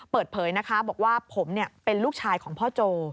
เปิดเผยนะคะบอกว่าผมเป็นลูกชายของพ่อโจ